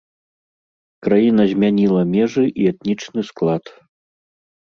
Краіна змяніла межы і этнічны склад.